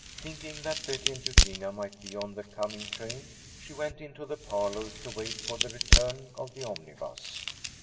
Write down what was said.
Thinking that Betty and Eugenia might be on the coming train, she went into the parlour to wait for the return of the omnibus.